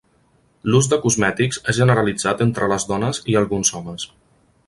L'ús de cosmètics és generalitzat entre les dones i alguns homes.